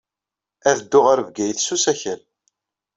Ad dduɣ ɣer Bgayet s usakal.